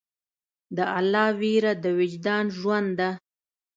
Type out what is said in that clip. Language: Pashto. د الله ویره د وجدان ژوند ده.